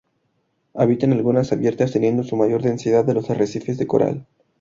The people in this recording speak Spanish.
Habita en aguas abiertas, teniendo su mayor densidad en los arrecifes de coral.